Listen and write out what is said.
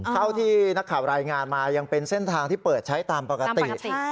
เท่าที่นักข่าวรายงานมายังเป็นเส้นทางที่เปิดใช้ตามปกติ